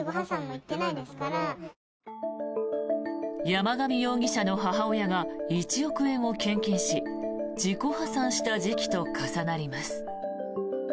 山上容疑者の母親が１億円を献金し自己破産した時期と重なります。